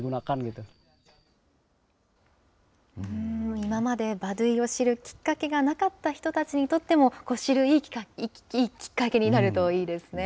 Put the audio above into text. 今までバドゥイを知るきっかけがなかった人たちにとっても、知るいいきっかけになるといいですね。